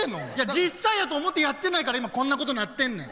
実際やと思ってやってないから今こんなことなってんねん。